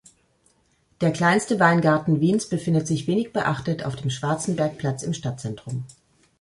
Der kleinste Weingarten Wiens befindet sich wenig beachtet auf dem Schwarzenbergplatz im Stadtzentrum.